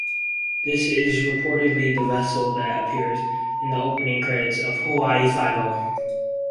This is reportedly the vessel that appeared in the opening credits of Hawaii Five-O.